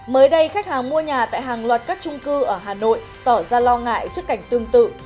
mới đây khách hàng mua nhà tại hàng loạt các trung cư ở hà nội tỏ ra lo ngại trước cảnh tương tự